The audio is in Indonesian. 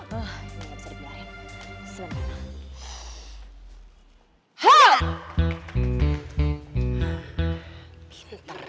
ini gak bisa dibelahin